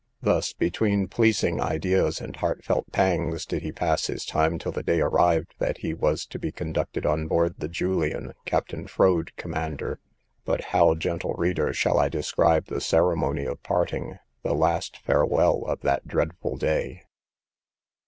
Thus, between pleasing ideas and heartfelt pangs, did he pass his time till the day arrived that he was to be conducted on board the Julian, Captain Froade, commander. But how, gentle reader, shall I describe the ceremony of parting—the last farewell of that dreadful day!